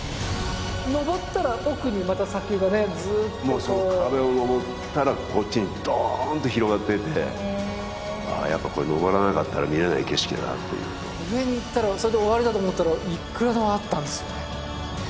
登ったら奥にまた砂丘がねずっとこうもうその壁を登ったらこっちにドーンと広がっててへえやっぱこれ登らなかったら見れない景色だなっていう上に行ったらそれで終わりだと思ったらいくらでもあったんですよね